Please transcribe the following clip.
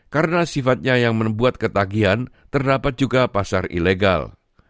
karena sifatnya yang membuat ketagihan terdapat juga pasar ilegal